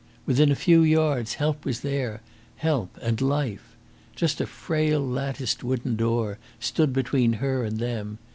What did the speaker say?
Within a few yards help was there help and life. Just a frail latticed wooden door stood between her and them.